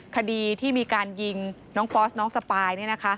คดีที่มีการยิงน้องฟอสน้องสปาย